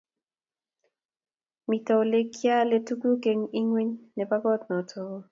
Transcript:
Mito olegiale tuguk eng ingweny nebo koot noto oo